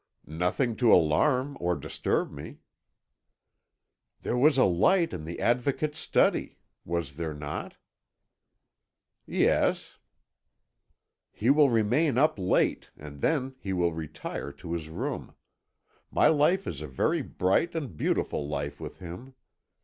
"Nothing to alarm or disturb me." "There was a light in the Advocate's study, was there not?" "Yes." "He will remain up late, and then he will retire to his room. My life is a very bright and beautiful life with him.